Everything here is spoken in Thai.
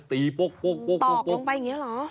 ตอกลงไปอย่างนี้เหรอ